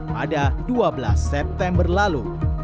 pada dua belas september lalu